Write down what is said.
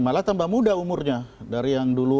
malah tambah muda umurnya dari yang dulu tiga puluh an